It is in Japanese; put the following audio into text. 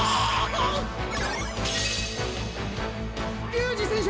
龍二選手